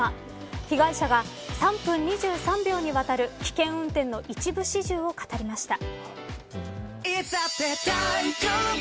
被害者が、３分２３秒にわたる危険運転の一部始終を語りました。